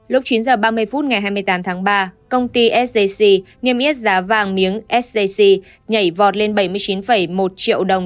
lúc chín h ba mươi phút ngày hai mươi tám tháng ba công ty sjc niêm yết giá vàng miếng sjc nhảy vọt lên bảy mươi chín một triệu đồng